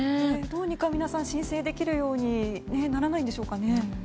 どうにか皆さん申請できるようにならないんですかね。